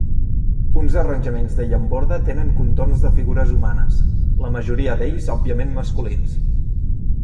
Uns arranjaments de llamborda tenen contorns de figures humanes, la majoria d'ells òbviament masculins.